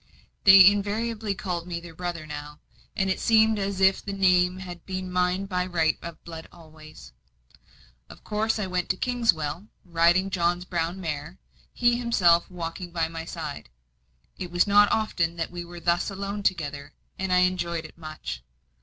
They invariably called me their brother now; and it seemed as if the name had been mine by right of blood always. Of course, I went to Kingswell, riding John's brown mare, he himself walking by my side. It was not often that we were thus alone together, and I enjoyed it much.